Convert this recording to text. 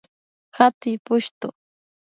Hatuy pushtu